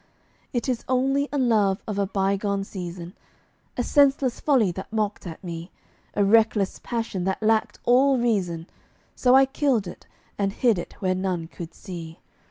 It is only a love of a by gone season, A senseless folly that mocked at me A reckless passion that lacked all reason, So I killed it, and hid it where none could see.